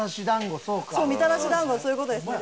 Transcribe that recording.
そうみたらし団子そういう事ですね。